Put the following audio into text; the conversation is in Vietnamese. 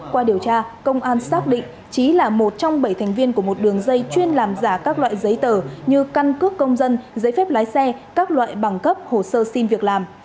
qua điều tra công an xác định trí là một trong bảy thành viên của một đường dây chuyên làm giả các loại giấy tờ như căn cước công dân giấy phép lái xe các loại bằng cấp hồ sơ xin việc làm